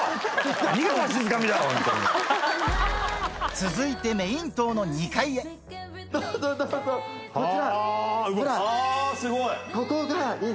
続いてメイン棟の２階へすごい！